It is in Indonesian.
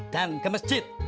dan ke masjid